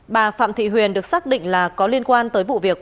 bà phạm thị huyền được xác định là có liên quan tới vụ việc